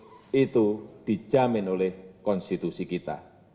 ini adalah kebebasan yang harus disesuaikan oleh konstitusi kita